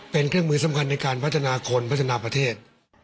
เป็นเครื่องมือสำคัญในการพัฒนาคนพัฒนาประเทศ